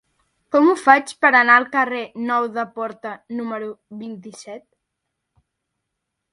Com ho faig per anar al carrer Nou de Porta número vint-i-set?